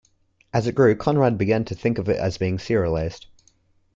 As it grew, Conrad began to think of its being serialized.